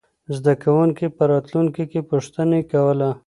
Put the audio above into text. زده کوونکي به راتلونکې کې پوښتنې کوله.